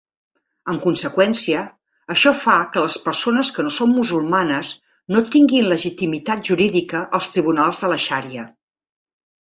En conseqüència, això fa que les persones que no són musulmanes no tinguin legitimitat jurídica als tribunals de la xaria.